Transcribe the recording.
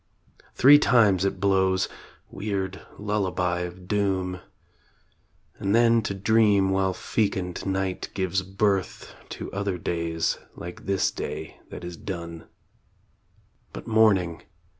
Three times it blows weird lullaby of doom And then to dream while fecund Night gives birth To other days like this day that is done. . But Morning